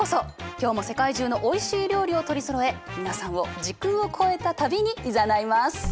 今日も世界中のおいしい料理を取りそろえ皆さんを時空を超えた旅にいざないます！